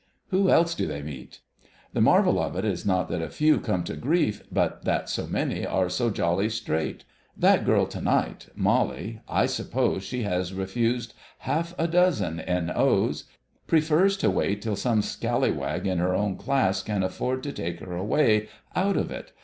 Who else do they meet...? The marvel of it is not that a few come to grief, but that so many are so jolly straight. That girl to night—Molly—I suppose she has refused half a dozen N.O.'s. Prefers to wait till some scallywag in her own class can afford to take her away out of it.